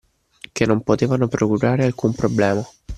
Che non potevano procurare alcun problema.